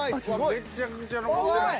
めちゃくちゃ残ってる。